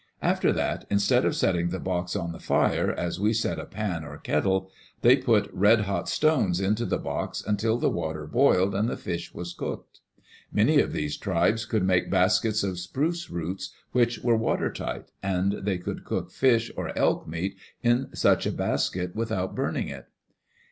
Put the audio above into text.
After that, instead of setting the box on the fire, as we set a pan or kettle, they put red hot stones into the box, until the water boiled and the fish was cooked. Many of these tribes could make baskets of spruce roots which were water tight, and they could cook fish or elk meat in such a basket without burning it.